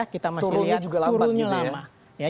kita masih lihat turunnya lama